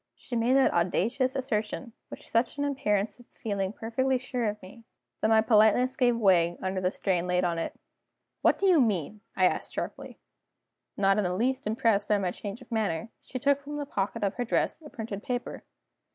She made that audacious assertion with such an appearance of feeling perfectly sure of me, that my politeness gave way under the strain laid on it. "What do you mean?" I asked sharply. Not in the least impressed by my change of manner, she took from the pocket of her dress a printed paper.